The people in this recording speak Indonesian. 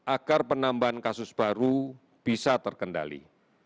agar penambahan kasus baru bisa terkendali